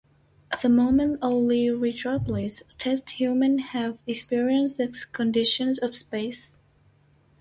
At the moment only rigorously tested humans have experienced the conditions of space.